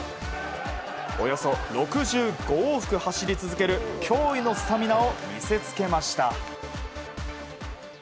およそ６５往復走り続ける驚異のスタミナを見せつけました。